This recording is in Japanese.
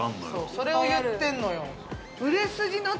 それを言ってるのよ。